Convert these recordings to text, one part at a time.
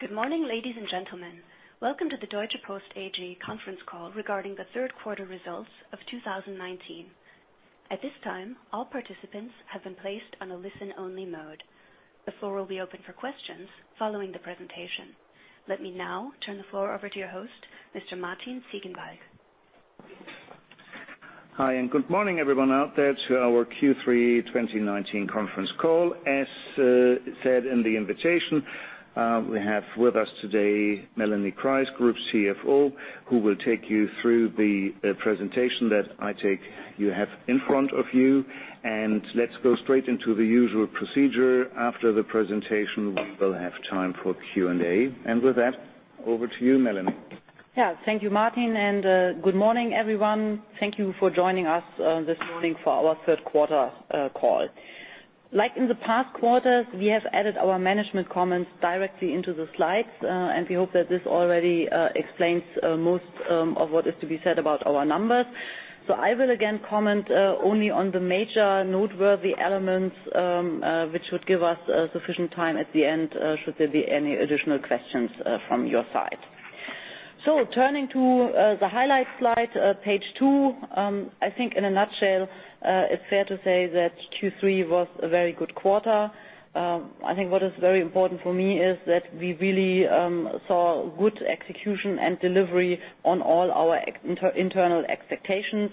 Good morning, ladies and gentlemen. Welcome to the Deutsche Post AG conference call regarding the third quarter results of 2019. At this time, all participants have been placed on a listen-only mode. The floor will be open for questions following the presentation. Let me now turn the floor over to your host, Mr. Martin Ziegenbalg. Hi, good morning everyone out there to our Q3 2019 conference call. As said in the invitation, we have with us today Melanie Kreis, group CFO, who will take you through the presentation that I take you have in front of you. Let's go straight into the usual procedure. After the presentation, we will have time for Q&A. With that, over to you, Melanie. Yeah. Thank you, Martin. Good morning, everyone. Thank you for joining us this morning for our third quarter call. Like in the past quarters, we have added our management comments directly into the slides. We hope that this already explains most of what is to be said about our numbers. I will, again, comment only on the major noteworthy elements, which would give us sufficient time at the end, should there be any additional questions from your side. Turning to the highlights slide, page two. I think in a nutshell, it's fair to say that Q3 was a very good quarter. I think what is very important for me is that we really saw good execution and delivery on all our internal expectations.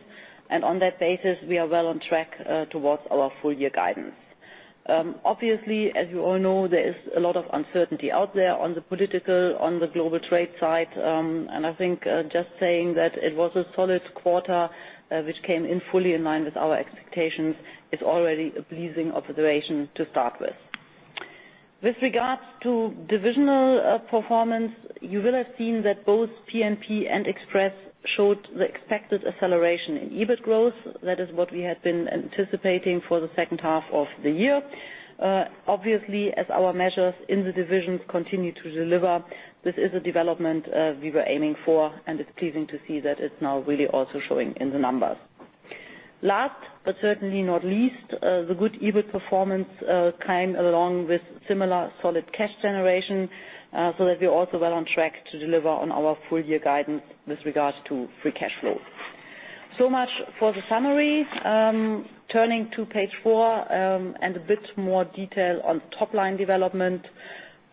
On that basis, we are well on track towards our full year guidance. Obviously, as you all know, there is a lot of uncertainty out there on the political, on the global trade side. I think just saying that it was a solid quarter, which came in fully in line with our expectations, is already a pleasing observation to start with. With regards to divisional performance, you will have seen that both P&P and Express showed the expected acceleration in EBIT growth. That is what we had been anticipating for the second half of the year. Obviously, as our measures in the divisions continue to deliver, this is a development we were aiming for, and it's pleasing to see that it's now really also showing in the numbers. Last, but certainly not least, the good EBIT performance came along with similar solid cash generation, so that we're also well on track to deliver on our full year guidance with regards to free cash flow. Much for the summary. Turning to page four, and a bit more detail on top line development.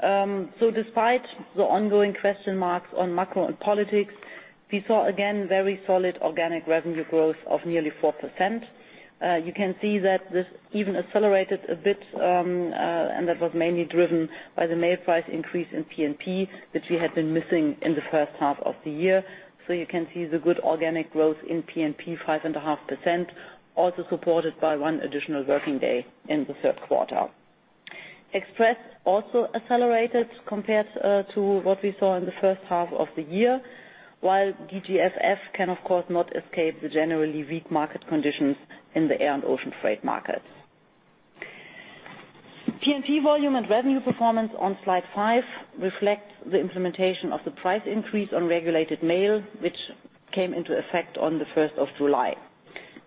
Despite the ongoing question marks on macro and politics, we saw again very solid organic revenue growth of nearly 4%. You can see that this even accelerated a bit, and that was mainly driven by the mail price increase in P&P that we had been missing in the first half of the year. You can see the good organic growth in P&P, 5.5%, also supported by one additional working day in the third quarter. Express also accelerated compared to what we saw in the first half of the year, while DGFF can, of course, not escape the generally weak market conditions in the air and ocean freight markets. P&P volume and revenue performance on slide five reflect the implementation of the price increase on regulated mail, which came into effect on the 1st of July.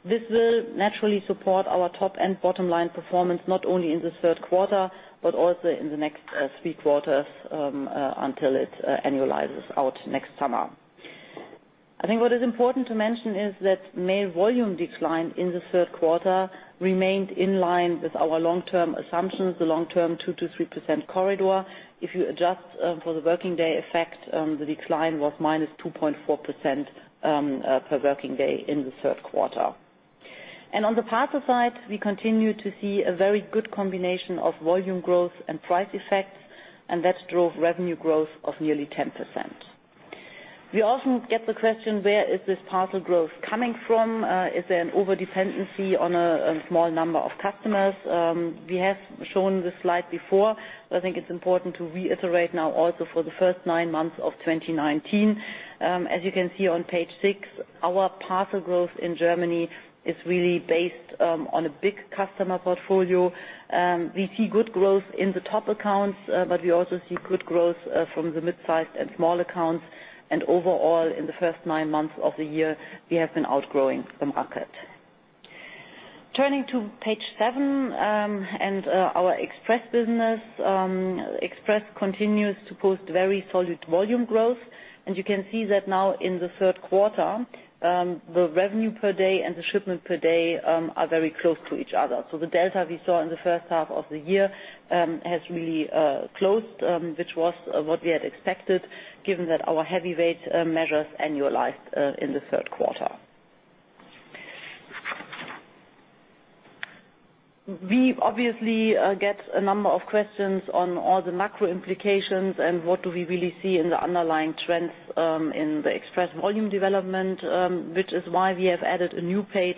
This will naturally support our top and bottom line performance, not only in the third quarter, but also in the next three quarters, until it annualizes out next summer. I think what is important to mention is that mail volume decline in the third quarter remained in line with our long-term assumptions, the long-term 2%-3% corridor. If you adjust for the working day effect, the decline was -2.4% per working day in the third quarter. On the parcel side, we continue to see a very good combination of volume growth and price effects, and that drove revenue growth of nearly 10%. We often get the question: Where is this parcel growth coming from? Is there an overdependency on a small number of customers? We have shown this slide before, but I think it's important to reiterate now also for the first nine months of 2019. As you can see on page six, our parcel growth in Germany is really based on a big customer portfolio. We see good growth in the top accounts, but we also see good growth from the midsize and small accounts. Overall, in the first nine months of the year, we have been outgrowing the market. Turning to page seven and our Express business. Express continues to post very solid volume growth. You can see that now in the third quarter, the revenue per day and the shipment per day are very close to each other. The delta we saw in the first half of the year has really closed, which was what we had expected, given that our heavyweight measures annualized in the third quarter. We obviously get a number of questions on all the macro implications and what do we really see in the underlying trends in the Express volume development, which is why we have added a new page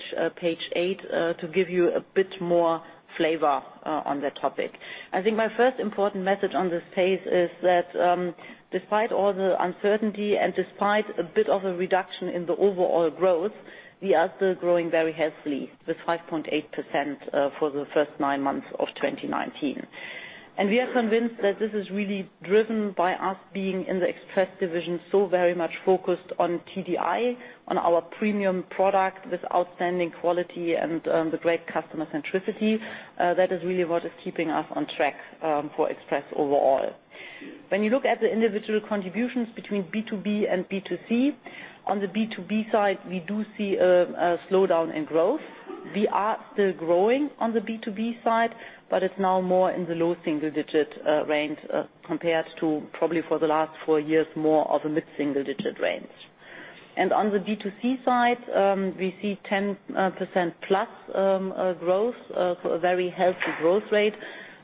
eight, to give you a bit more flavor on that topic. I think my first important message on this page is that despite all the uncertainty and despite a bit of a reduction in the overall growth, we are still growing very healthily with 5.8% for the first nine months of 2019. We are convinced that this is really driven by us being in the Express division, so very much focused on TDI, on our premium product with outstanding quality and the great customer centricity. That is really what is keeping us on track for Express overall. When you look at the individual contributions between B2B and B2C, on the B2B side, we do see a slowdown in growth. We are still growing on the B2B side, but it's now more in the low single-digit range compared to probably for the last four years, more of a mid-single-digit range. On the B2C side, we see 10% plus growth, so a very healthy growth rate.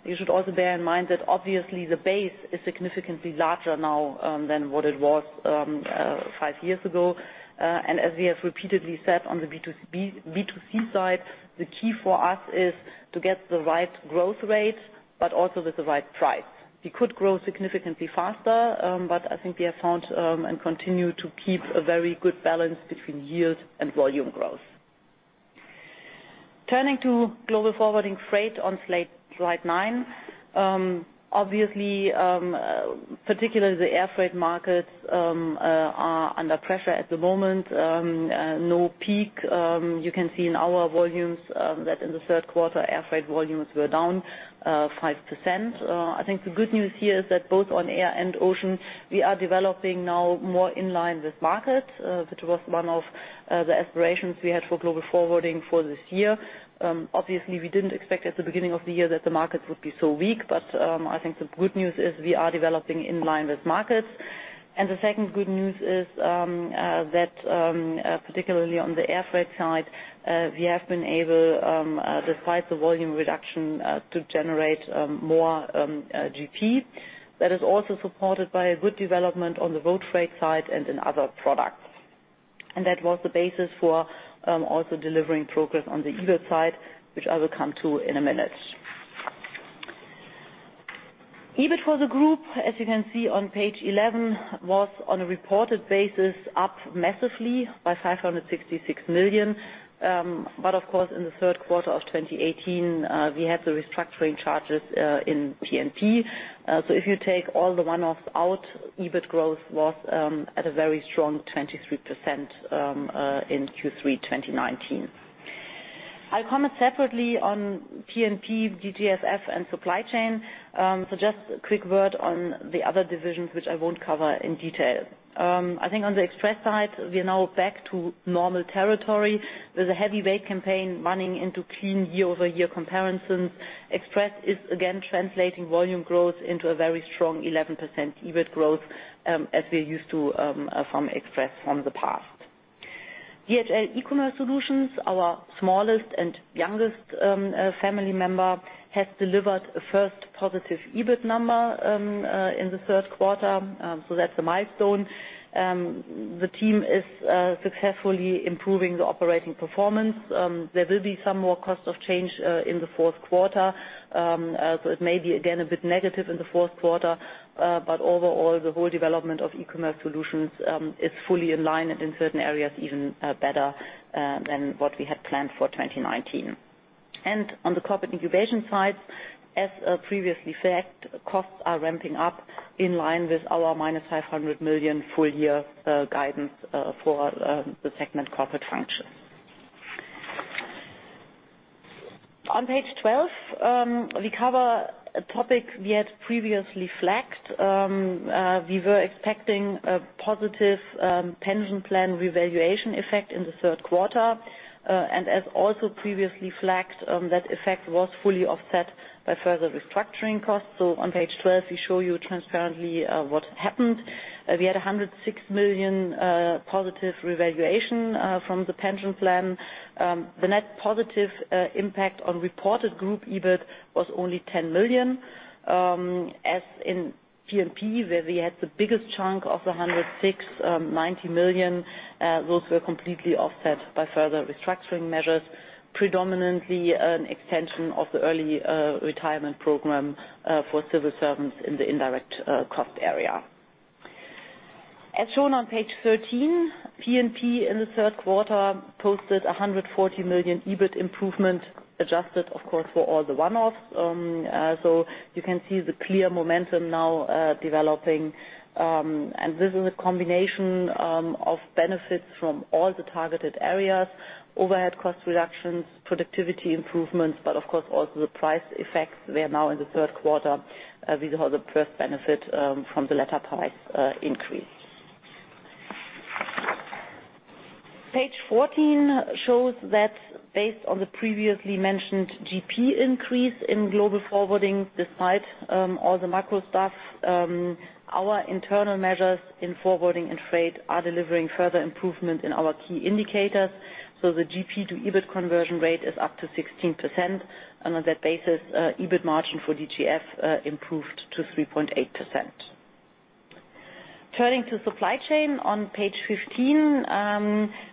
You should also bear in mind that obviously the base is significantly larger now than what it was five years ago. As we have repeatedly said on the B2C side, the key for us is to get the right growth rate, but also at the right price. We could grow significantly faster, but I think we have found and continue to keep a very good balance between yield and volume growth. Turning to Global Forwarding Freight on slide nine. Obviously, particularly the air freight markets are under pressure at the moment. No peak. You can see in our volumes that in the third quarter, air freight volumes were down 5%. I think the good news here is that both on air and ocean, we are developing now more in line with market, which was one of the aspirations we had for Global Forwarding for this year. Obviously, we didn't expect at the beginning of the year that the market would be so weak. I think the good news is, we are developing in line with markets. The second good news is that, particularly on the air freight side, we have been able, despite the volume reduction, to generate more GP. That is also supported by a good development on the road freight side and in other products. That was the basis for also delivering progress on the EBIT side, which I will come to in a minute. EBIT for the group, as you can see on page 11, was on a reported basis, up massively by 566 million. Of course, in the third quarter of 2018, we had the restructuring charges in P&P. If you take all the one-offs out, EBIT growth was at a very strong 23% in Q3 2019. I'll comment separately on P&P, DGFF, and Supply Chain. Just a quick word on the other divisions, which I won't cover in detail. I think on the Express side, we are now back to normal territory with a heavyweight campaign running into clean year-over-year comparisons. Express is again translating volume growth into a very strong 11% EBIT growth, as we're used to from Express from the past. DHL eCommerce Solutions, our smallest and youngest family member, has delivered a first positive EBIT number in the third quarter. That's a milestone. The team is successfully improving the operating performance. There will be some more cost of change in the fourth quarter. It may be, again, a bit negative in the fourth quarter. Overall, the whole development of eCommerce Solutions is fully in line and in certain areas, even better than what we had planned for 2019. On the Corporate Incubation side, as previously flagged, costs are ramping up in line with our minus 500 million full-year guidance for the segment Corporate Function. On page 12, we cover a topic we had previously flagged. We were expecting a positive pension plan revaluation effect in the third quarter. As also previously flagged, that effect was fully offset by further restructuring costs. On page 12, we show you transparently what happened. We had 106 million positive revaluation from the pension plan. The net positive impact on reported group EBIT was only 10 million. As in P&P, where we had the biggest chunk of the 106, 90 million, those were completely offset by further restructuring measures, predominantly an extension of the early retirement program for civil servants in the indirect cost area. As shown on page 13, P&P in the third quarter posted 140 million EBIT improvement, adjusted, of course, for all the one-offs. You can see the clear momentum now developing. This is a combination of benefits from all the targeted areas, overhead cost reductions, productivity improvements, but of course, also the price effects. We are now in the third quarter. We have the first benefit from the letter price increase. Page 14 shows that based on the previously mentioned GP increase in Global Forwarding, despite all the macro stuff, our internal measures in forwarding and freight are delivering further improvement in our key indicators. The GP to EBIT conversion rate is up to 16%. On that basis, EBIT margin for DGF improved to 3.8%. Turning to Supply Chain on page 15,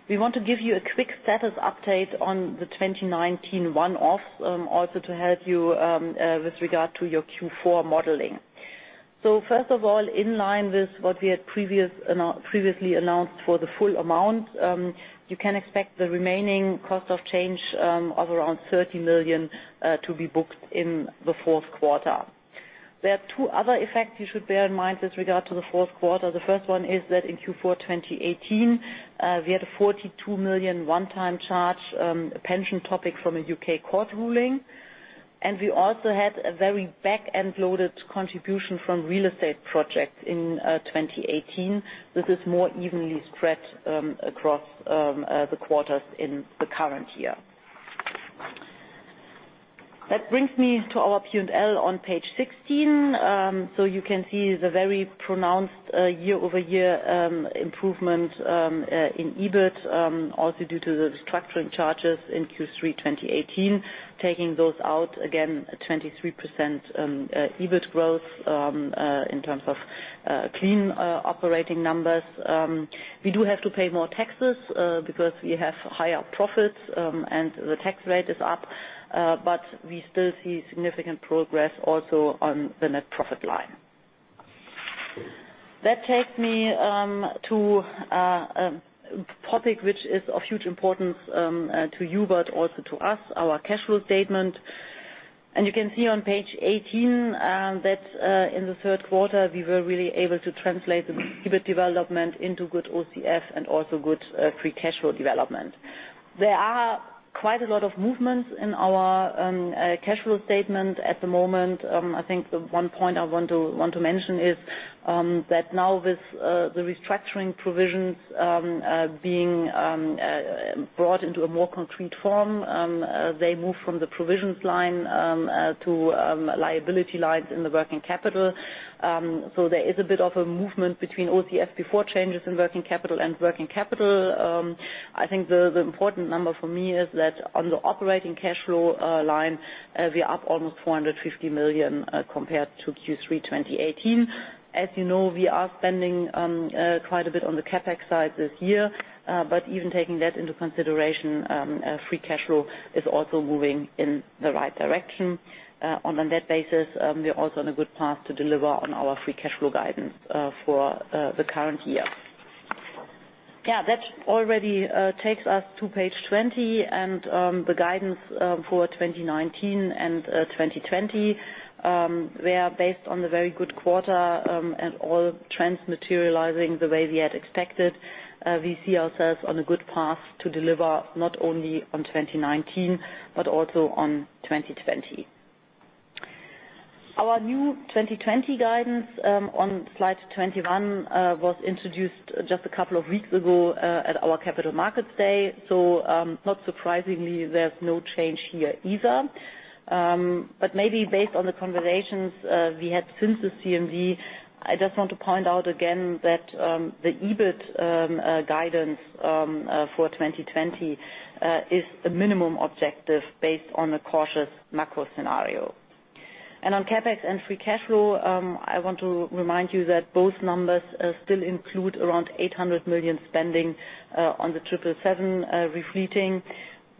we want to give you a quick status update on the 2019 one-offs also to help you with regard to your Q4 modeling. First of all, in line with what we had previously announced for the full amount, you can expect the remaining cost of change of around 30 million to be booked in the fourth quarter. There are two other effects you should bear in mind with regard to the fourth quarter. The first one is that in Q4 2018, we had a 42 million one-time charge, pension topic from a U.K. court ruling. We also had a very back-end loaded contribution from real estate projects in 2018. This is more evenly spread across the quarters in the current year. That brings me to our P&L on page 16. You can see the very pronounced year-over-year improvement in EBIT, also due to the restructuring charges in Q3 2018. Taking those out again, 23% EBIT growth in terms of clean operating numbers. We do have to pay more taxes because we have higher profits and the tax rate is up, but we still see significant progress also on the net profit line. That takes me to a topic which is of huge importance to you, but also to us, our cash flow statement. You can see on page 18 that in the third quarter, we were really able to translate the EBIT development into good OCF and also good free cash flow development. There are quite a lot of movements in our cash flow statement at the moment. I think the one point I want to mention is that now with the restructuring provisions being brought into a more concrete form, they move from the provisions line to liability lines in the working capital. There is a bit of a movement between OCF before changes in working capital and working capital. I think the important number for me is that on the operating cash flow line, we are up almost 450 million compared to Q3 2018. As you know, we are spending quite a bit on the CapEx side this year, even taking that into consideration, free cash flow is also moving in the right direction. On a net basis, we are also on a good path to deliver on our free cash flow guidance for the current year. That already takes us to page 20 and the guidance for 2019 and 2020, where based on the very good quarter and all trends materializing the way we had expected, we see ourselves on a good path to deliver not only on 2019, but also on 2020. Our new 2020 guidance on slide 21 was introduced just a couple of weeks ago at our Capital Markets Day. Not surprisingly, there's no change here either. Maybe based on the conversations we had since the CMD, I just want to point out again that the EBIT guidance for 2020 is a minimum objective based on a cautious macro scenario. On CapEx and free cash flow, I want to remind you that both numbers still include around 800 million spending on the 777 refleeting.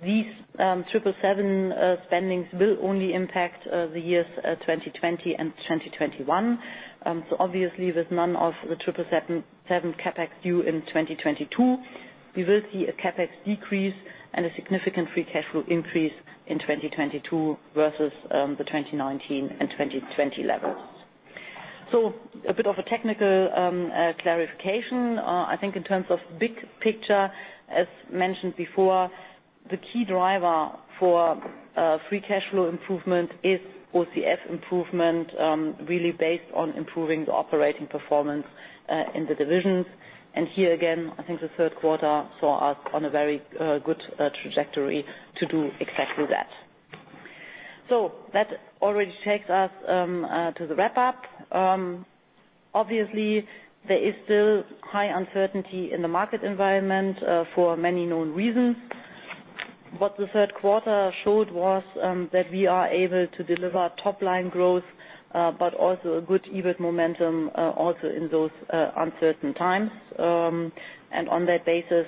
These 777 spendings will only impact the years 2020 and 2021. With none of the 777 CapEx due in 2022, we will see a CapEx decrease and a significant free cash flow increase in 2022 versus the 2019 and 2020 levels. A bit of a technical clarification. I think in terms of big picture, as mentioned before, the key driver for free cash flow improvement is OCF improvement, really based on improving the operating performance in the divisions. I think the third quarter saw us on a very good trajectory to do exactly that. That already takes us to the wrap-up. Obviously, there is still high uncertainty in the market environment for many known reasons. What the third quarter showed was that we are able to deliver top-line growth, but also a good EBIT momentum also in those uncertain times. On that basis,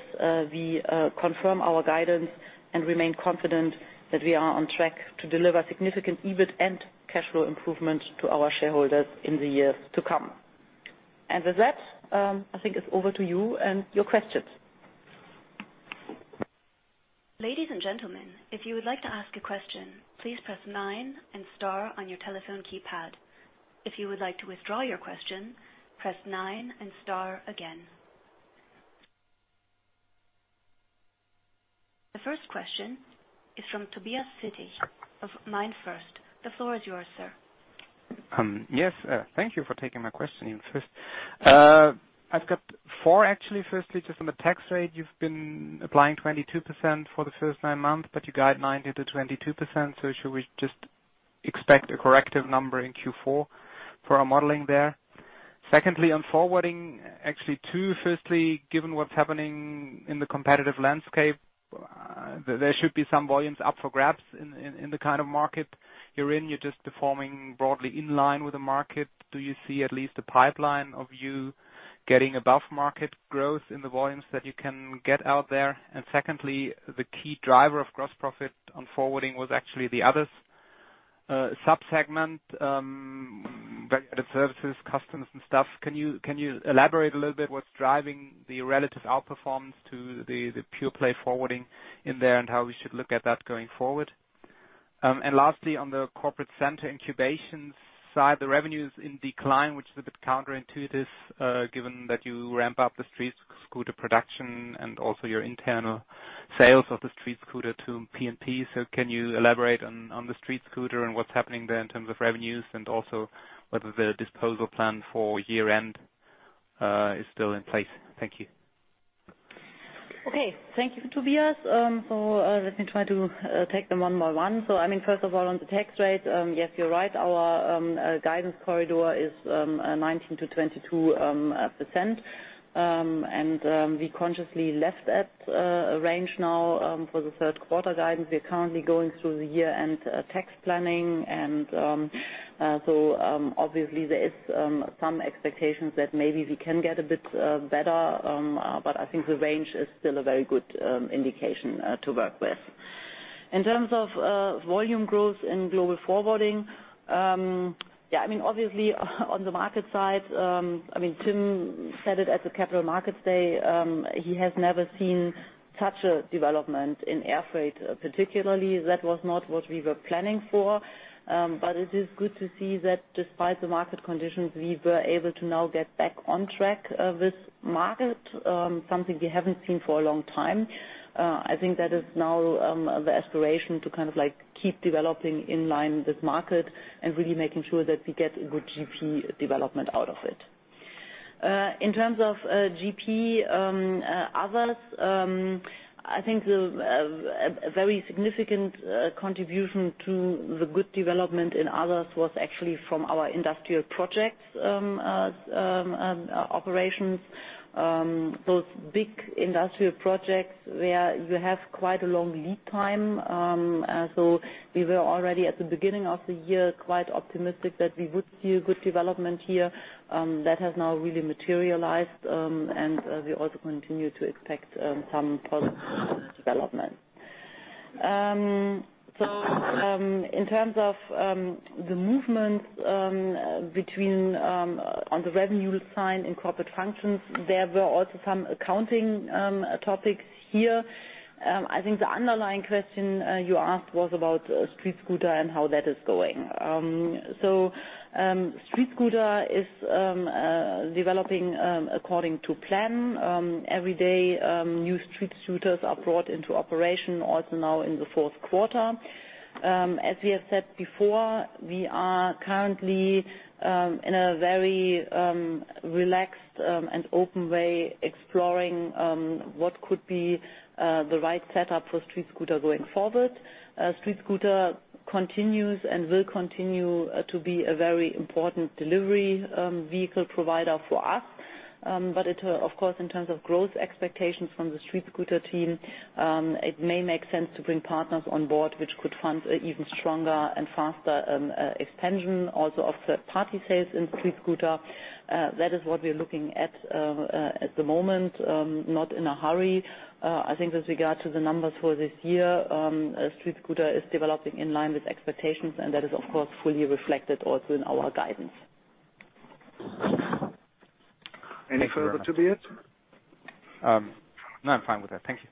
we confirm our guidance and remain confident that we are on track to deliver significant EBIT and cash flow improvement to our shareholders in the years to come. With that, I think it's over to you and your questions. Ladies and gentlemen, if you would like to ask a question, please press nine and star on your telephone keypad. If you would like to withdraw your question, press nine and star again. The first question is from Tobias Sittig of MainFirst. The floor is yours, sir. Yes. Thank you for taking my question even first. I've got four, actually. Firstly, just on the tax rate, you've been applying 22% for the first nine months, but you guide 90 to 22%, so should we just expect a corrective number in Q4 for our modeling there? Secondly, on forwarding, actually two. Firstly, given what's happening in the competitive landscape, there should be some volumes up for grabs in the kind of market you're in. You're just performing broadly in line with the market. Do you see at least a pipeline of you getting above market growth in the volumes that you can get out there? Secondly, the key driver of gross profit on forwarding was actually the others sub-segment, value added services, customs and stuff. Can you elaborate a little bit what's driving the relative outperformance to the pure play forwarding in there and how we should look at that going forward? Lastly, on the Corporate center Incubation side, the revenue is in decline, which is a bit counterintuitive given that you ramp up the StreetScooter production and also your internal sales of the StreetScooter to P&P. Can you elaborate on the StreetScooter and what's happening there in terms of revenues and also whether the disposal plan for year-end is still in place? Thank you. Okay. Thank you, Tobias. Let me try to take them one by one. First of all, on the tax rate, yes, you're right. Our guidance corridor is 19% to 22%, and we consciously left that range now for the third quarter guidance. We are currently going through the year-end tax planning. Obviously there is some expectations that maybe we can get a bit better, but I think the range is still a very good indication to work with. In terms of volume growth in Global Forwarding, obviously on the market side, Tim said it at the Capital Markets Day. He has never seen such a development in air freight particularly. That was not what we were planning for. It is good to see that despite the market conditions, we were able to now get back on track with market, something we haven't seen for a long time. I think that is now the aspiration to keep developing in line with market and really making sure that we get a good GP development out of it. In terms of GP, others, I think a very significant contribution to the good development in others was actually from our industrial projects operations. Those big industrial projects where you have quite a long lead time. We were already, at the beginning of the year, quite optimistic that we would see a good development here. That has now really materialized, and we also continue to expect some positive development. In terms of the movement between, on the revenue side and Corporate Functions, there were also some accounting topics here. I think the underlying question you asked was about StreetScooter and how that is going. StreetScooter is developing according to plan. Every day, new StreetScooters are brought into operation, also now in the fourth quarter. As we have said before, we are currently in a very relaxed and open way, exploring what could be the right setup for StreetScooter going forward. StreetScooter continues and will continue to be a very important delivery vehicle provider for us. It, of course, in terms of growth expectations from the StreetScooter team, it may make sense to bring partners on board which could fund even stronger and faster expansion also of third-party sales in StreetScooter. That is what we are looking at the moment, not in a hurry. I think with regard to the numbers for this year, StreetScooter is developing in line with expectations, and that is, of course, fully reflected also in our guidance. Any further, Tobias? No, I'm fine with that. Thank you.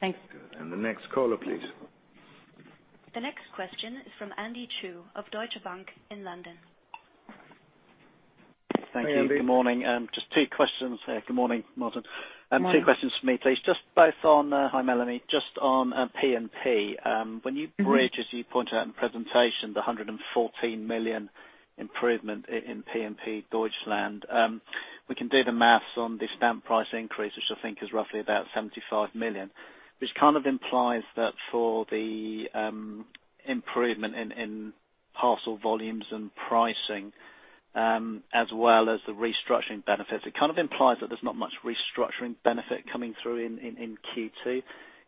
Thanks. Good. The next caller, please. The next question is from Andy Chu of Deutsche Bank in London. Hi, Andy. Thank you. Good morning. Just two questions. Good morning, Martin. Morning. Two questions from me, please. Hi, Melanie. Just on P&P. When you bridge, as you point out in the presentation, the 114 million improvement in P&P Deutschland, we can do the math on the stamp price increase, which I think is roughly about 75 million. Which kind of implies that for the improvement in parcel volumes and pricing, as well as the restructuring benefits, it kind of implies that there's not much restructuring benefit coming through in Q2.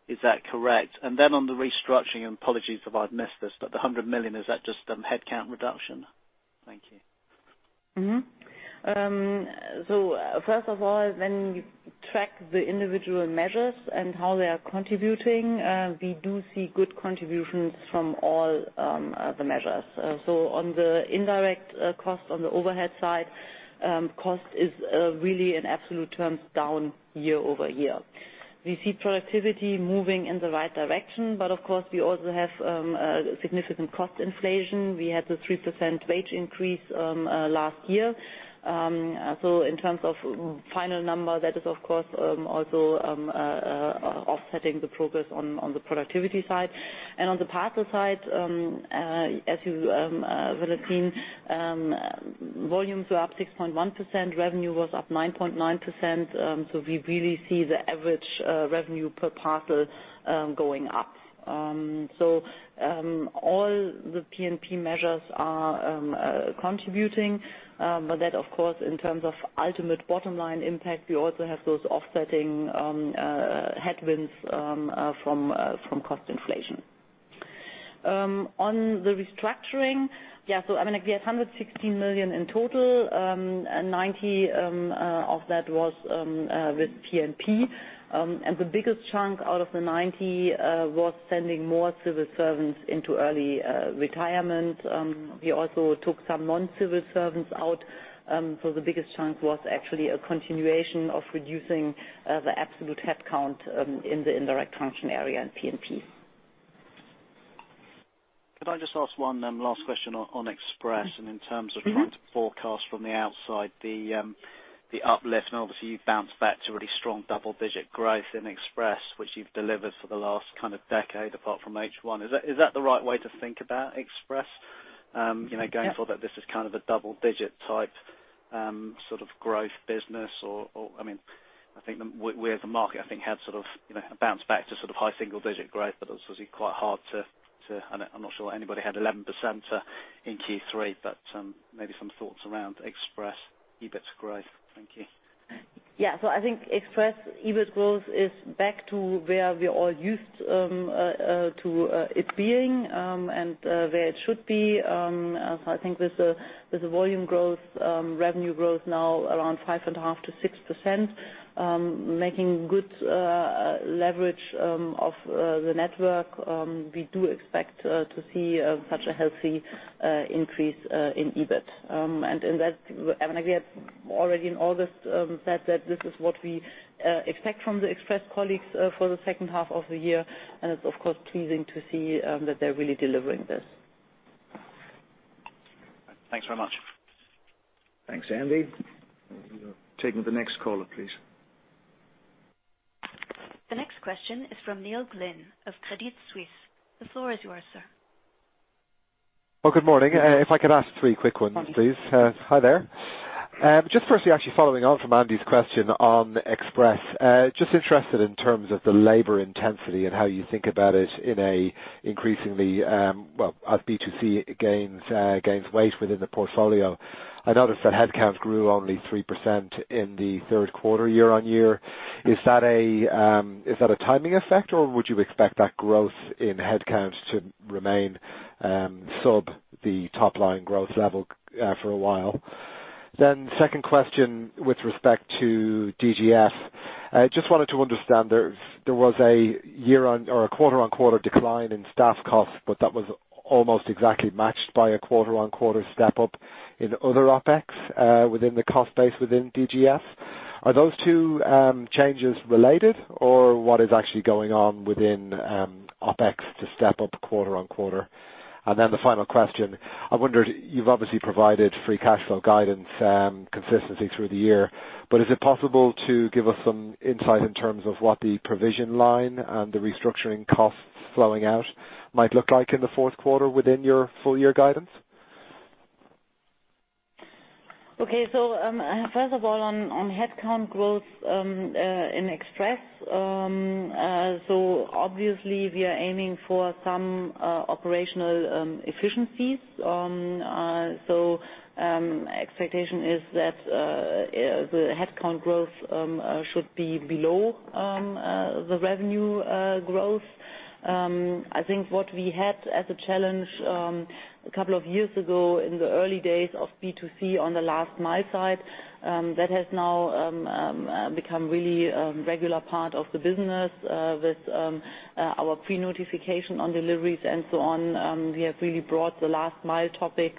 Is that correct? On the restructuring, and apologies if I've missed this, but the 100 million, is that just headcount reduction? Thank you. First of all, when you track the individual measures and how they are contributing, we do see good contributions from all the measures. On the indirect cost, on the overhead side, cost is really in absolute terms down year-over-year. We see productivity moving in the right direction, but of course, we also have significant cost inflation. We had the 3% wage increase last year. In terms of final number, that is, of course, also offsetting the progress on the productivity side. On the parcel side, as you will have seen, volumes were up 6.1%, revenue was up 9.9%, so we really see the average revenue per parcel going up. All the P&P measures are contributing. That, of course, in terms of ultimate bottom-line impact, we also have those offsetting headwinds from cost inflation. On the restructuring, we had 116 million in total, 90 million of that was with P&P. The biggest chunk out of the 90 million was sending more civil servants into early retirement. We also took some non-civil servants out. The biggest chunk was actually a continuation of reducing the absolute headcount in the indirect function area in P&P. Could I just ask one last question on Express and in terms of trying- to forecast from the outside the uplift, and obviously you've bounced back to really strong double-digit growth in Express, which you've delivered for the last decade, apart from H1, is that the right way to think about Express? Yeah. Going forward, this is kind of a double-digit type growth business or, I think, where the market, I think, had bounced back to high single-digit growth, but that's obviously quite hard. I'm not sure anybody had 11% in Q3, but maybe some thoughts around Express EBIT growth. Thank you. Yeah. I think Express EBIT growth is back to where we are used to it being, and where it should be. I think with the volume growth, revenue growth now around 5.5%-6%, making good leverage of the network, we do expect to see such a healthy increase in EBIT. Evelyn had already in August said that this is what we expect from the Express colleagues for the second half of the year, and it's, of course, pleasing to see that they're really delivering this. Thanks very much. Thanks, Andy. Take the next caller, please. The next question is from Neil Glynn of Credit Suisse. The floor is yours, sir. Well, good morning. If I could ask three quick ones, please. Morning. Hi there. Just firstly, actually following on from Andy's question on Express. Just interested in terms of the labor intensity and how you think about it in a increasingly, well, as B2C gains weight within the portfolio. I noticed that headcount grew only 3% in the third quarter, year-on-year. Is that a timing effect, or would you expect that growth in headcount to remain sub the top-line growth level for a while? Second question with respect to DGF. Just wanted to understand, there was a quarter-on-quarter decline in staff costs, but that was almost exactly matched by a quarter-on-quarter step-up in other OPEX within the cost base within DGF. Are those two changes related or what is actually going on within OPEX to step up quarter-on-quarter? The final question, I wondered, you've obviously provided free cash flow guidance consistently through the year, but is it possible to give us some insight in terms of what the provision line and the restructuring costs flowing out might look like in the fourth quarter within your full-year guidance? Okay. First of all, on headcount growth in Express. Obviously we are aiming for some operational efficiencies. Expectation is that the headcount growth should be below the revenue growth. I think what we had as a challenge, a couple of years ago in the early days of B2C on the Last Mile side, that has now become really a regular part of the business with our pre-notification on deliveries and so on. We have really brought the Last Mile topic,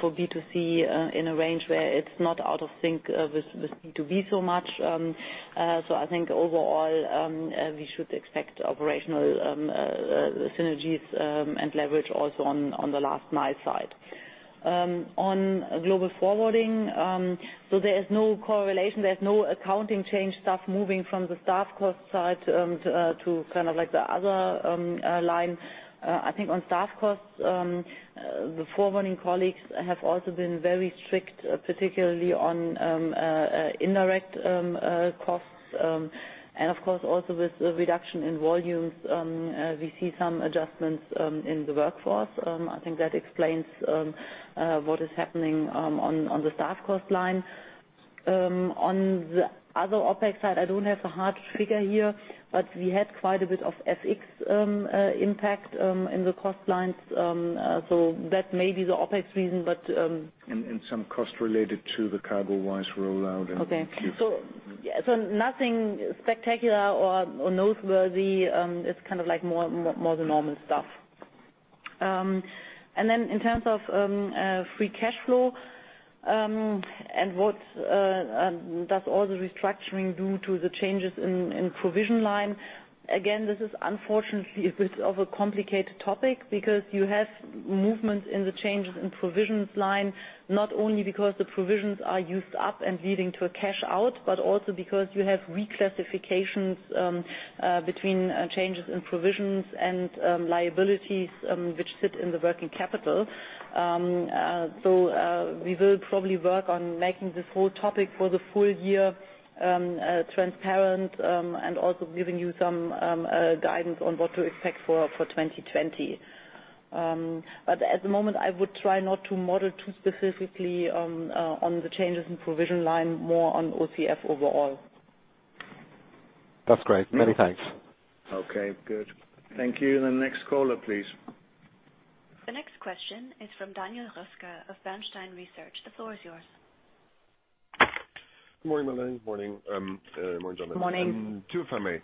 for B2C, in a range where it's not out of sync with B2B so much. I think overall, we should expect operational synergies and leverage also on the Last Mile side. On Global Forwarding, there is no correlation, there's no accounting change stuff moving from the staff cost side to the other line. I think on staff costs, the Forwarding colleagues have also been very strict, particularly on indirect costs. Of course, also with the reduction in volumes, we see some adjustments in the workforce. I think that explains what is happening on the staff cost line. On the other OPEX side, I don't have a hard figure here, but we had quite a bit of FX impact in the cost lines. That may be the OPEX reason. Some cost related to the CargoWise rollout in Q4. Okay. Nothing spectacular or noteworthy. It's more the normal stuff. In terms of free cash flow, and what does all the restructuring do to the changes in provision line? Again, this is unfortunately a bit of a complicated topic because you have movements in the changes in provisions line, not only because the provisions are used up and leading to a cash out, but also because you have reclassifications between changes in provisions and liabilities, which sit in the working capital. We will probably work on making this whole topic for the full year transparent, and also giving you some guidance on what to expect for 2020. At the moment, I would try not to model too specifically on the changes in provision line, more on OCF overall. That's great. Many thanks. Okay, good. Thank you. The next caller, please. The next question is from Daniel Roeska of Bernstein Research. The floor is yours. Good morning, Melanie. Good morning, Jonathan. Morning. Two, if I may.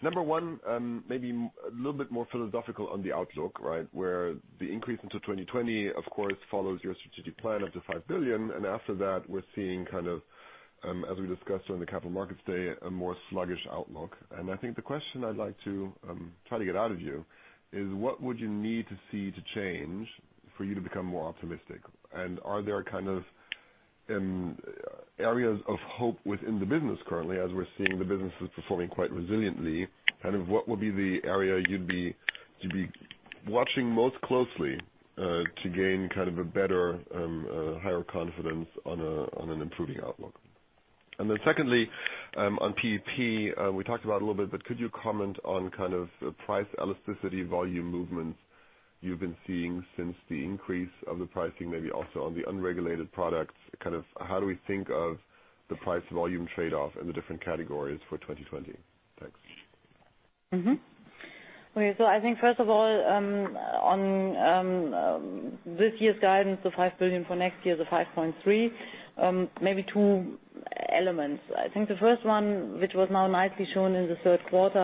Number 1, maybe a little bit more philosophical on the outlook, right? Where the increase into 2020, of course, follows your strategic plan up to 5 billion, and after that, we're seeing, as we discussed during the Capital Markets Day, a more sluggish outlook. I think the question I'd like to try to get out of you is what would you need to see to change for you to become more optimistic? Are there areas of hope within the business currently, as we're seeing the business is performing quite resiliently, what would be the area you'd be watching most closely, to gain a better, higher confidence on an improving outlook? Secondly, on P&P, we talked about a little bit, could you comment on price elasticity, volume movements you've been seeing since the increase of the pricing, maybe also on the unregulated products? How do we think of the price volume trade-off in the different categories for 2020? Thanks. Mm-hmm. Okay. I think first of all, on this year's guidance, the 5 billion, for next year, the 5.3 billion, maybe two elements. I think the first one, which was now nicely shown in the third quarter,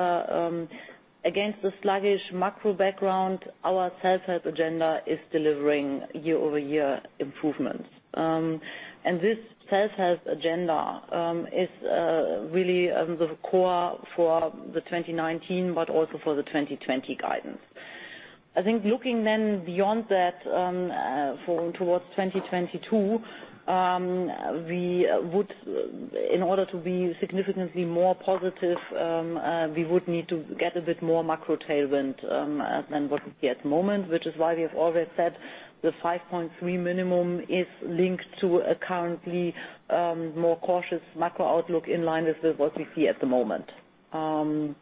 against a sluggish macro background, our sell side agenda is delivering year-over-year improvements. This sell side agenda, is really the core for the 2019, but also for the 2020 guidance. I think looking beyond that, towards 2022, in order to be significantly more positive, we would need to get a bit more macro tailwind, than what we see at the moment, which is why we have always said the 5.3 billion minimum is linked to a currently more cautious macro outlook, in line with what we see at the moment. In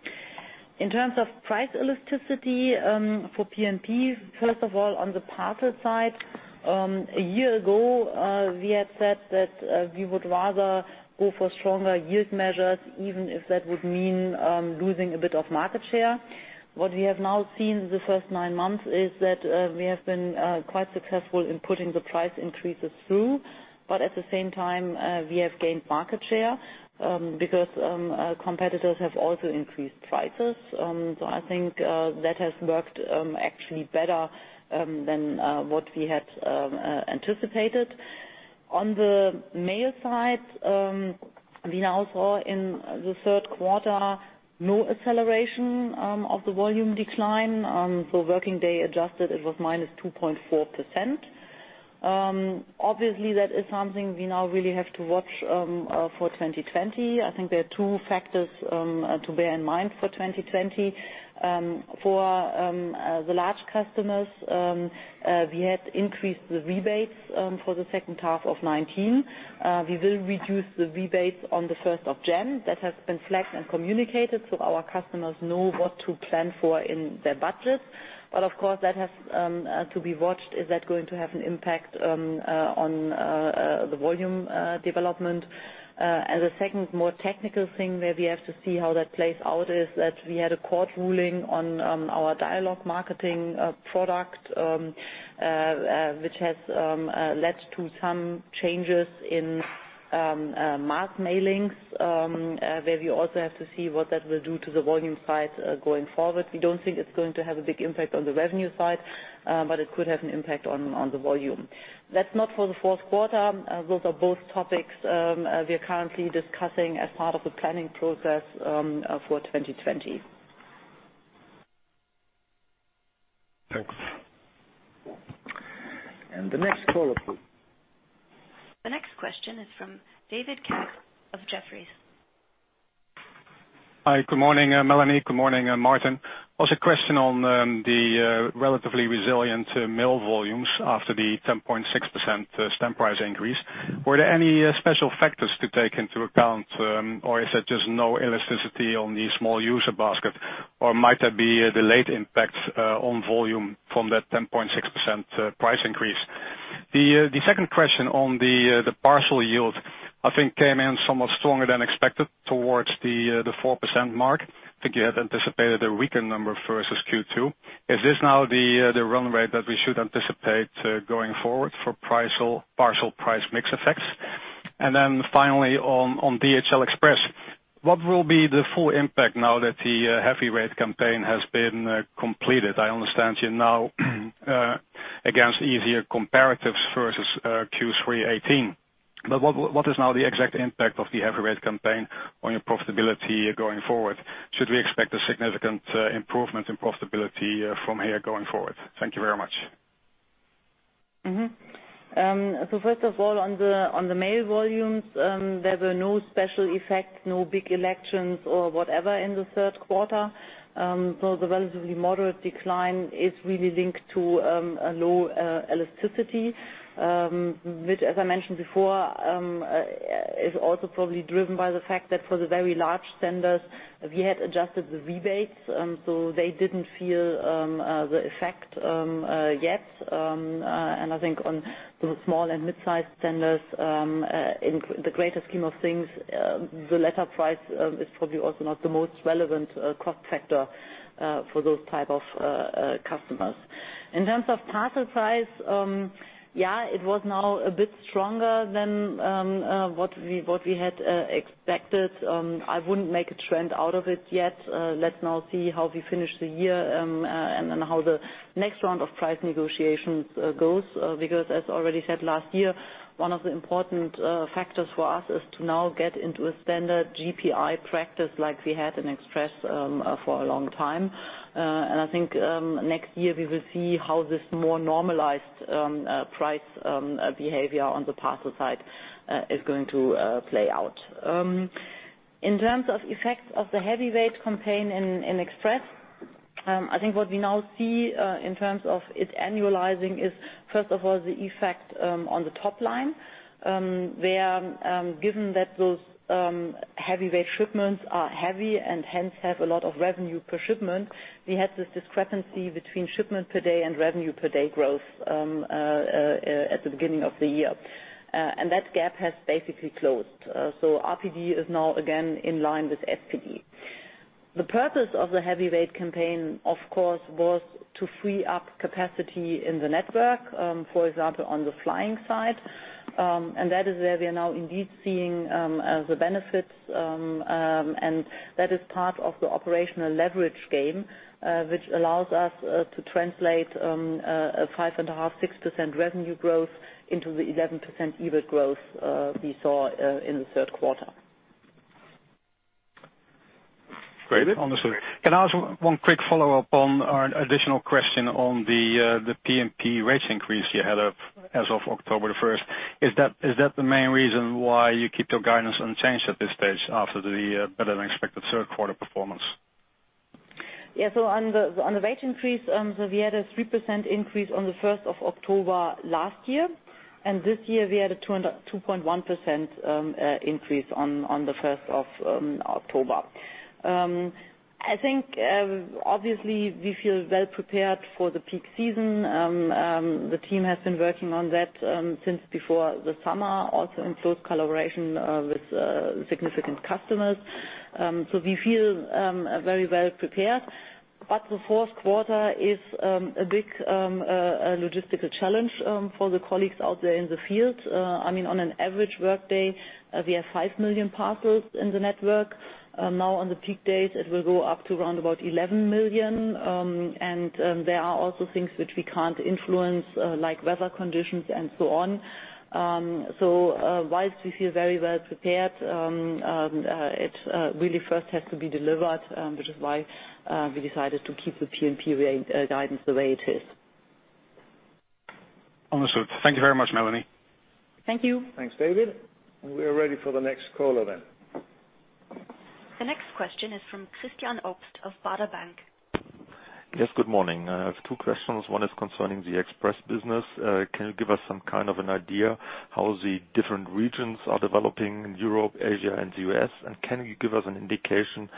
terms of price elasticity, for P&P, first of all, on the parcel side, a year ago, we had said that we would rather go for stronger yield measures, even if that would mean losing a bit of market share. What we have now seen the first nine months is that we have been quite successful in putting the price increases through. At the same time, we have gained market share, because competitors have also increased prices. I think that has worked actually better than what we had anticipated. On the mail side, we now saw in the third quarter, no acceleration of the volume decline. Working day adjusted, it was -2.4%. Obviously, that is something we now really have to watch for 2020. I think there are two factors to bear in mind for 2020. For the large customers, we had increased the rebates for the second half of 2019. We will reduce the rebates on the 1st of January. That has been flagged and communicated, our customers know what to plan for in their budget. Of course, that has to be watched. Is that going to have an impact on the volume development? As a second, more technical thing, where we have to see how that plays out, is that we had a court ruling on our dialogue marketing product, which has led to some changes in marked mailings, where we also have to see what that will do to the volume side, going forward. We don't think it's going to have a big impact on the revenue side, but it could have an impact on the volume. That's not for the fourth quarter. Those are both topics we are currently discussing as part of the planning process for 2020. Thanks. The next caller, please. The next question is from David Kerstens of Jefferies. Hi, good morning, Melanie. Good morning, Martin. Question on the relatively resilient mail volumes after the 10.6% stamp price increase. Were there any special factors to take into account? Is it just no elasticity on the small user basket? Might there be a delayed impact on volume from that 10.6% price increase? The second question on the parcel yield, I think came in somewhat stronger than expected towards the 4% mark. I think you had anticipated a weaker number versus Q2. Is this now the run rate that we should anticipate going forward for parcel price mix effects? Finally, on DHL Express, what will be the full impact now that the heavy rate campaign has been completed? I understand you're now against easier comparatives versus Q3 2018. What is now the exact impact of the heavy rate campaign on your profitability going forward? Should we expect a significant improvement in profitability from here going forward? Thank you very much. Mm-hmm. First of all, on the mail volumes, there were no special effects, no big elections or whatever in the third quarter. The relatively moderate decline is really linked to a low elasticity, which, as I mentioned before, is also probably driven by the fact that for the very large senders, we had adjusted the rebates. They didn't feel the effect yet. I think on the small and mid-size senders, in the greater scheme of things, the letter price is probably also not the most relevant cost factor for those type of customers. In terms of parcel price, yeah, it was now a bit stronger than what we had expected. I wouldn't make a trend out of it yet. Let's now see how we finish the year, and then how the next round of price negotiations goes. As already said last year, one of the important factors for us is to now get into a standard GPI practice like we had in Express for a long time. I think, next year we will see how this more normalized price behavior on the parcel side is going to play out. In terms of effects of the heavyweight campaign in Express, I think what we now see in terms of its annualizing is, first of all, the effect on the top line, where given that those heavyweight shipments are heavy and hence have a lot of revenue per shipment, we had this discrepancy between shipment per day and revenue per day growth at the beginning of the year. That gap has basically closed. RPD is now again in line with SPD. The purpose of the heavyweight campaign, of course, was to free up capacity in the network, for example, on the flying side. That is where we are now indeed seeing the benefits, and that is part of the operational leverage game, which allows us to translate a 5.5, 6% revenue growth into the 11% EBIT growth we saw in the third quarter. David? Understood. Can I ask one quick follow-up on, or an additional question on the P&P rate increase you had as of October 1st? Is that the main reason why you keep your guidance unchanged at this stage after the better-than-expected third quarter performance? Yeah. On the rate increase, we had a 3% increase on the 1st of October last year, and this year we had a 2.1% increase on the 1st of October. I think, obviously, we feel well-prepared for the peak season. The team has been working on that since before the summer, also in close collaboration with significant customers. We feel very well prepared. The fourth quarter is a big logistical challenge for the colleagues out there in the field. On an average workday, we have five million parcels in the network. Now on the peak days, it will go up to around about 11 million. There are also things which we can't influence, like weather conditions and so on. While we feel very well prepared, it really first has to be delivered, which is why we decided to keep the P&P guidance the way it is. Understood. Thank you very much, Melanie. Thank you. Thanks, David. We are ready for the next caller then. The next question is from Christian Obst of Baader Bank. Yes, good morning. I have two questions. One is concerning the Express business. Can you give us some kind of an idea how the different regions are developing in Europe, Asia, and the U.S.? Can you give us an indication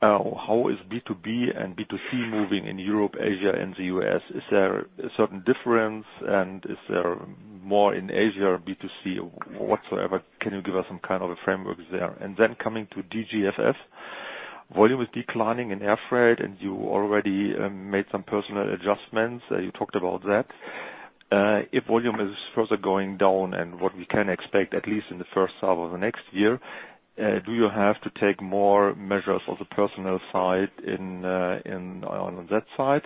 how is B2B and B2C moving in Europe, Asia, and the U.S.? Is there a certain difference and is there more in Asia or B2C whatsoever? Can you give us some kind of a framework there? Coming to DGFF, volume is declining in air freight, and you already made some personnel adjustments. You talked about that. If volume is further going down and what we can expect, at least in the first half of next year, do you have to take more measures on the personnel side on that side?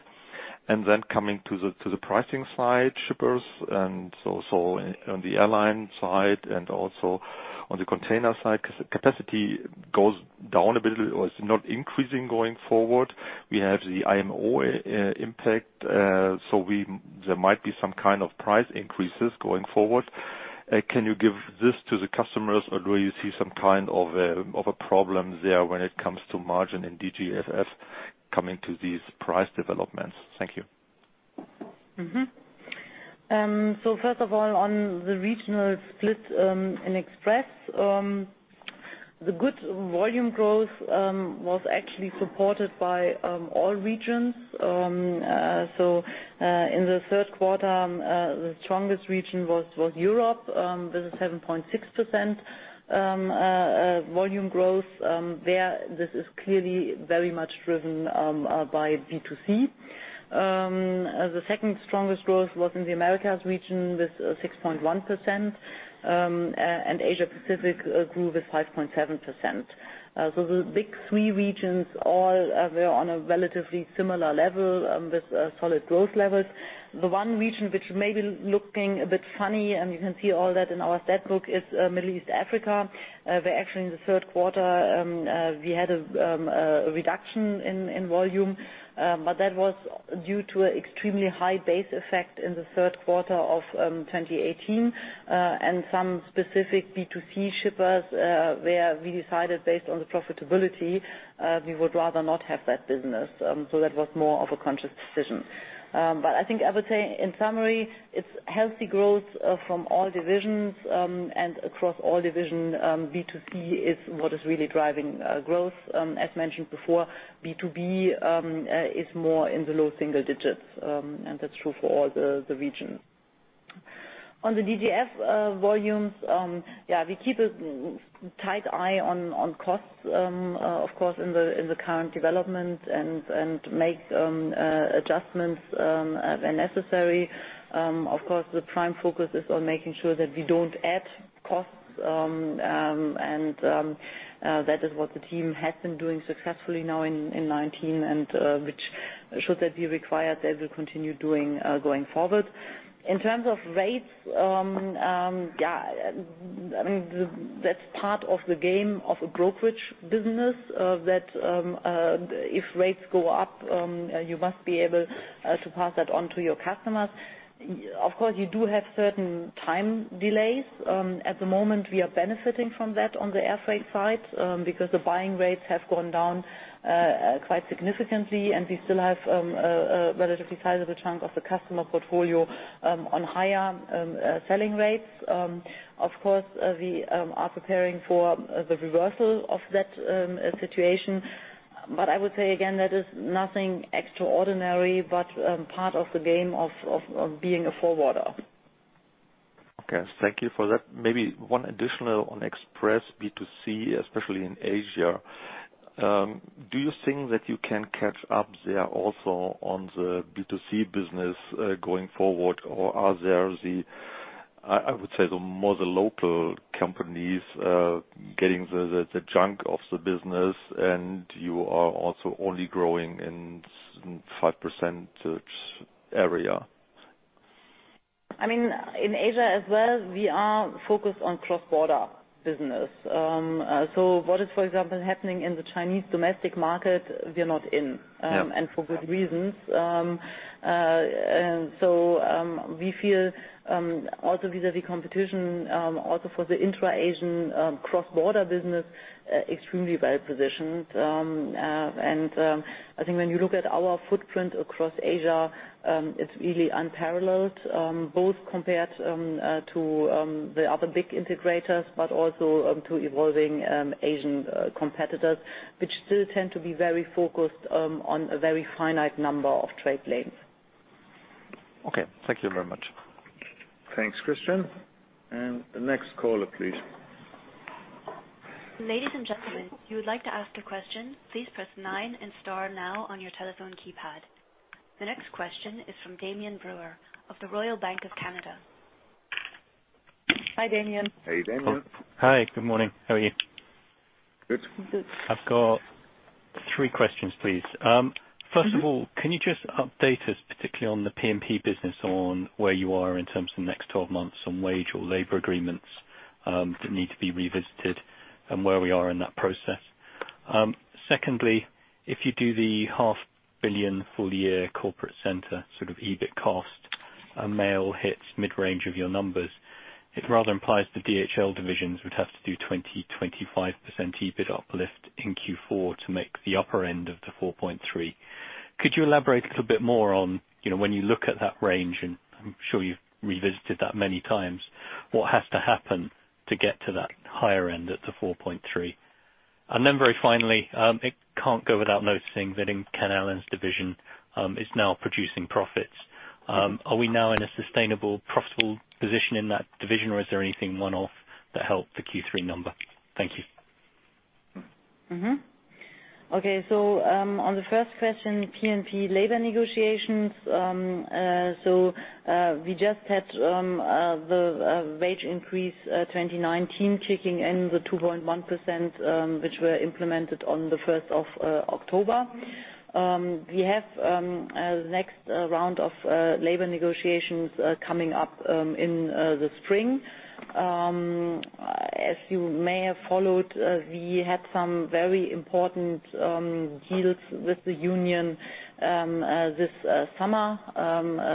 Then coming to the pricing side, shippers, and so on the airline side and also on the container side, because the capacity goes down a bit or is not increasing going forward. We have the IMO impact, so there might be some kind of price increases going forward. Can you give this to the customers, or do you see some kind of a problem there when it comes to margin in DGFF coming to these price developments? Thank you. First of all, on the regional split in Express, the good volume growth was actually supported by all regions. In the third quarter, the strongest region was Europe with a 7.6% volume growth there. This is clearly very much driven by B2C. The second strongest growth was in the Americas region with 6.1%, and Asia Pacific grew with 5.7%. The big three regions, all, they're on a relatively similar level with solid growth levels. The one region which may be looking a bit funny, and you can see all that in our stat book, is Middle East Africa, where actually in the third quarter, we had a reduction in volume. That was due to an extremely high base effect in the third quarter of 2018 and some specific B2C shippers where we decided based on the profitability, we would rather not have that business. That was more of a conscious decision. I would say in summary, it is healthy growth from all divisions and across all divisions. B2C is what is really driving growth. As mentioned before, B2B is more in the low single digits, and that is true for all the regions. On the DGF volumes, we keep a tight eye on costs, of course, in the current development and make adjustments where necessary. Of course, the prime focus is on making sure that we do not add costs, and that is what the team has been doing successfully now in 2019, and which, should that be required, they will continue doing going forward. In terms of rates, that's part of the game of a brokerage business, that if rates go up, you must be able to pass that on to your customers. Of course, you do have certain time delays. At the moment, we are benefiting from that on the air freight side because the buying rates have gone down quite significantly, and we still have a relatively sizable chunk of the customer portfolio on higher selling rates. Of course, we are preparing for the reversal of that situation. I would say again, that is nothing extraordinary, but part of the game of being a forwarder. Okay, thank you for that. Maybe one additional on Express B2C, especially in Asia. Do you think that you can catch up there also on the B2C business going forward, or are there the, I would say, more the local companies getting the chunk of the business, and you are also only growing in 5% area? In Asia as well, we are focused on cross-border business. What is, for example, happening in the Chinese domestic market, we are not in, and for good reasons. We feel, also vis-à-vis competition, also for the intra-Asian cross-border business, extremely well-positioned. I think when you look at our footprint across Asia, it's really unparalleled, both compared to the other big integrators, but also to evolving Asian competitors, which still tend to be very focused on a very finite number of trade lanes. Okay. Thank you very much. Thanks, Christian. The next caller, please. Ladies and gentlemen, if you would like to ask a question, please press nine and star now on your telephone keypad. The next question is from Damian Brewer of the Royal Bank of Canada. Hi, Damian. Hey, Damian. Hi. Good morning. How are you? Good. Good. I've got three questions, please. First of all, can you just update us, particularly on the P&P business, on where you are in terms of the next 12 months on wage or labor agreements that need to be revisited and where we are in that process? Secondly, if you do the half billion full-year Corporate Function, sort of EBIT cost, mail hits mid-range of your numbers, it rather implies the DHL divisions would have to do 20%-25% EBIT uplift in Q4 to make the upper end of the 4.3. Very finally, it can't go without noticing that Ken Allen's division is now producing profits. Are we now in a sustainable, profitable position in that division, or is there anything one-off that helped the Q3 number? Thank you. Okay, on the first question, P&P labor negotiations. We just had the wage increase 2019, kicking in the 2.1%, which were implemented on the 1st of October. We have the next round of labor negotiations coming up in the spring. As you may have followed, we had some very important deals with the union this summer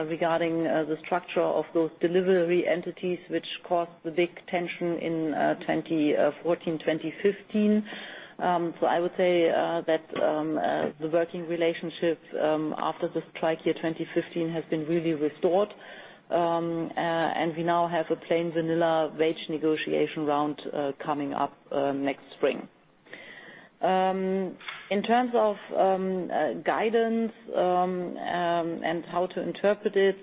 regarding the structure of those delivery entities, which caused the big tension in 2014, 2015. I would say that the working relationship after the strike year 2015 has been really restored, and we now have a plain vanilla wage negotiation round coming up next spring. In terms of guidance and how to interpret it,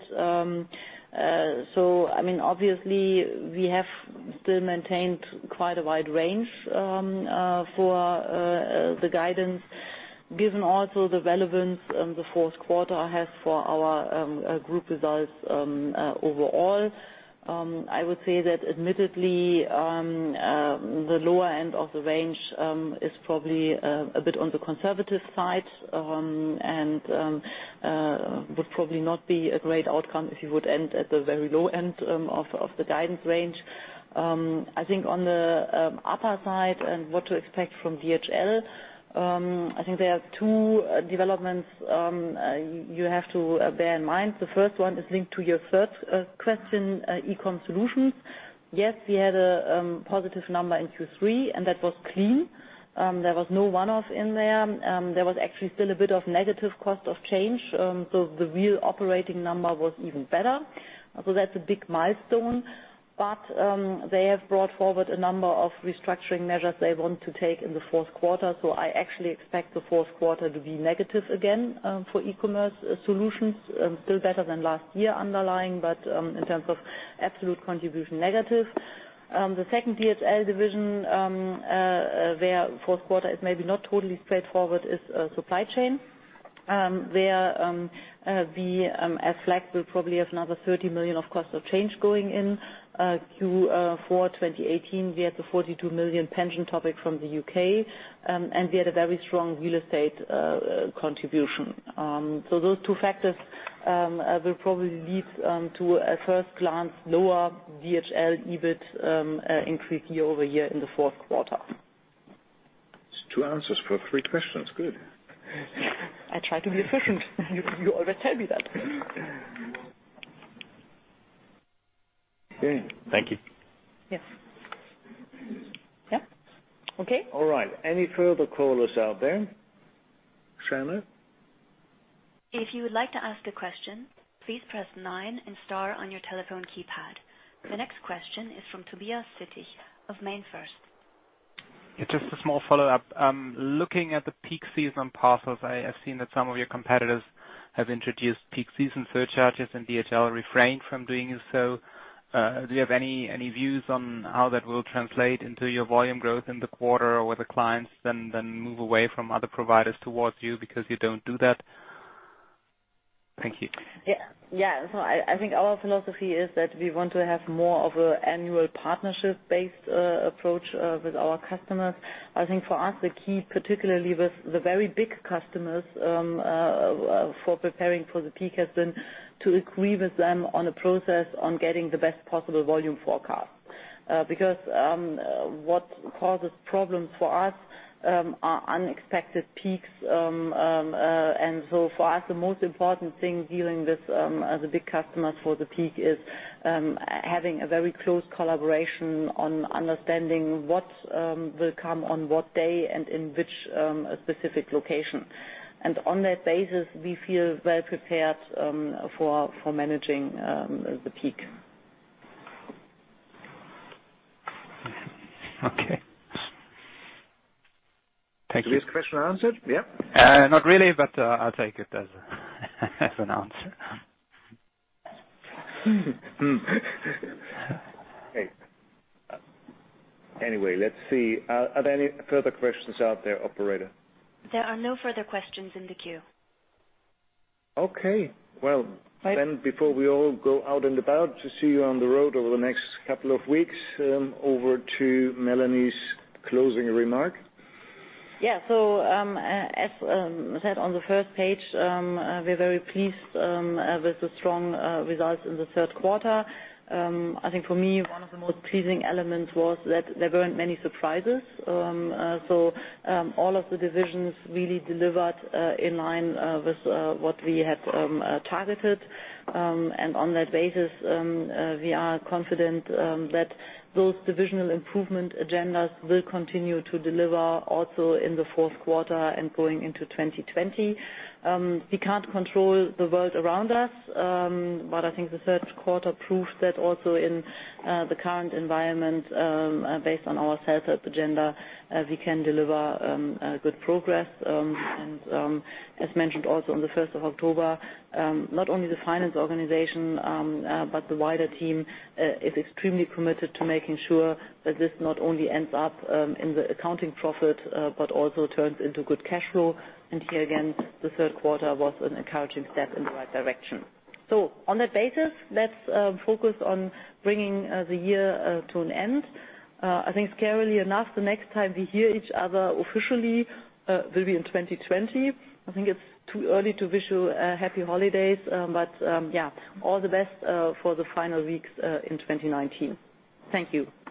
obviously we have still maintained quite a wide range for the guidance, given also the relevance the fourth quarter has for our group results overall. I would say that admittedly, the lower end of the range is probably a bit on the conservative side and would probably not be a great outcome if you would end at the very low end of the guidance range. I think on the upper side and what to expect from DHL, I think there are two developments you have to bear in mind. The first one is linked to your third question, eCommerce Solutions. Yes, we had a positive number in Q3, and that was clean. There was no one-off in there. There was actually still a bit of negative cost of change, so the real operating number was even better. That's a big milestone. They have brought forward a number of restructuring measures they want to take in the fourth quarter, so I actually expect the fourth quarter to be negative again for eCommerce Solutions. Still better than last year underlying, but in terms of absolute contribution, negative. The second DHL division, their fourth quarter is maybe not totally straightforward, is Supply Chain, where we, as flagged, will probably have another 30 million of cost of change going in Q4 2018. We had the 42 million pension topic from the U.K., and we had a very strong real estate contribution. Those two factors will probably lead to, at first glance, lower DHL EBIT increase year-over-year in the fourth quarter. That's two answers for three questions. Good. I try to be efficient. You always tell me that. Yeah. Thank you. Yes. Yeah. Okay. All right. Any further callers out there? Shana? If you would like to ask a question, please press 9 and star on your telephone keypad. The next question is from Tobias Sittig of MainFirst. Yeah, just a small follow-up. Looking at the peak season parcels, I have seen that some of your competitors have introduced peak season surcharges and DHL refrained from doing so. Do you have any views on how that will translate into your volume growth in the quarter, or whether clients then move away from other providers towards you because you don't do that? Thank you. Yeah. I think our philosophy is that we want to have more of a annual partnership-based approach with our customers. I think for us, the key, particularly with the very big customers, for preparing for the peak has been to agree with them on a process on getting the best possible volume forecast. What causes problems for us are unexpected peaks. For us, the most important thing dealing with the big customers for the peak is having a very close collaboration on understanding what will come on what day and in which specific location. On that basis, we feel well prepared for managing the peak. Okay. Thank you. Tobias, question answered, yeah? Not really, but I'll take it as an answer. Great. Anyway, let's see. Are there any further questions out there, operator? There are no further questions in the queue. Okay. Well, before we all go out and about, to see you on the road over the next couple of weeks, over to Melanie's closing remark. As said on the first page, we're very pleased with the strong results in the third quarter. I think for me, one of the most pleasing elements was that there weren't many surprises. All of the divisions really delivered in line with what we had targeted. On that basis, we are confident that those divisional improvement agendas will continue to deliver also in the fourth quarter and going into 2020. We can't control the world around us, but I think the third quarter proved that also in the current environment, based on our sell-side agenda, we can deliver good progress. As mentioned also on the 1st of October, not only the finance organization, but the wider team, is extremely committed to making sure that this not only ends up in the accounting profit but also turns into good cash flow. Here again, the third quarter was an encouraging step in the right direction. On that basis, let's focus on bringing the year to an end. I think scarily enough, the next time we hear each other officially will be in 2020. I think it's too early to wish you happy holidays, yeah, all the best for the final weeks in 2019. Thank you.